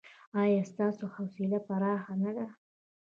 ایا ستاسو حوصله پراخه نه ده؟